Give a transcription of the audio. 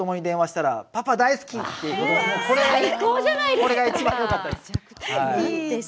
これが一番よかったです。